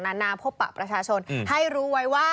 นานาพบปะประชาชนให้รู้ไว้ว่า